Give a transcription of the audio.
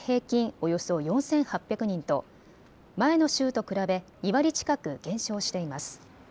およそ４８００人と前の週と比べ２割近く減少しています。